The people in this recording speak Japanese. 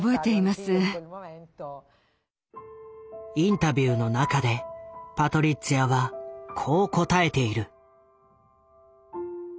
インタビューの中でパトリッツィアはこう答えている。